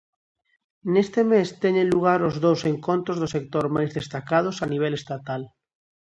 Neste mes teñen lugar os dous encontros do sector máis destacados a nivel estatal.